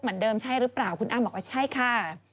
เหมือนเดิมใช่หรือเปล่าคุณอ้ำบอกว่าใช่ค่ะ